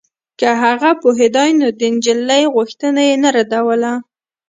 که هغه پوهېدای نو د نجلۍ غوښتنه يې نه ردوله.